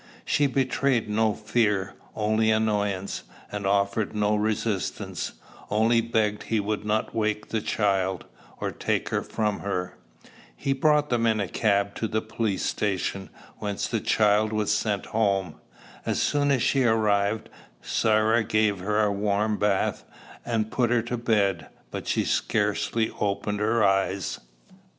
She betrayed no fear, only annoyance, and offered no resistance, only begged he would not wake the child, or take her from her. He brought them in a cab to the police station, whence the child was sent home. As soon as she arrived, Sarah gave her a warm bath, and put her to bed; but she scarcely opened her eyes.